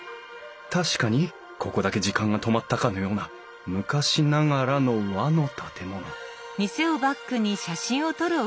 確かにここだけ時間が止まったかのような昔ながらの和の建物えっ